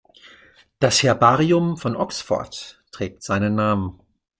Das Herbarium von Oxford trägt seinen Namen.